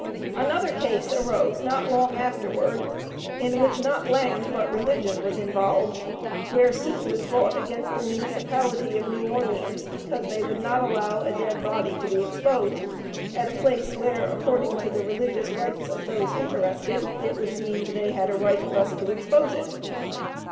Another case arose not long afterward, in which not land, but religion, was involved, where suit was brought against the municipality of New Orleans because they would not allow a dead body to be exposed at a place where, according to the religious rites of those interested, it was deemed they had a right thus to expose it.